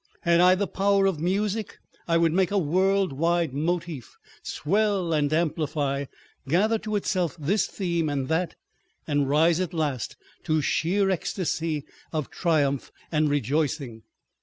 Had I the power of music I would make a world wide motif swell and amplify, gather to itself this theme and that, and rise at last to sheer ecstasy of triumph and rejoicing.